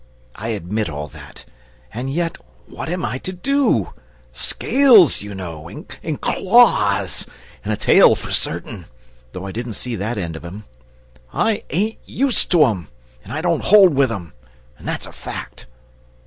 I admit all that. And yet, what am I to do? SCALES, you know, and claws, and a tail for certain, though I didn't see that end of him I ain't USED to 'em, and I don't HOLD with 'em, and that's a fact!"